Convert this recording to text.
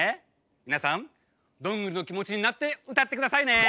みなさんどんぐりのきもちになってうたってくださいね！